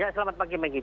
selamat pagi maggie